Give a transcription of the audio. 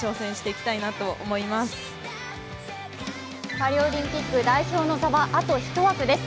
パリオリンピック代表の座はあと１枠です。